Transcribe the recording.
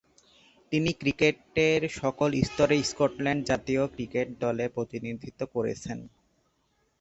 তিনি ক্রিকেটের সকল স্তরে স্কটল্যান্ড জাতীয় ক্রিকেট দলে প্রতিনিধিত্ব করছেন।